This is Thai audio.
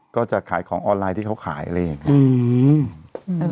ก็จะขายของออนไลน์ที่เขาขายอะไรอย่างนี้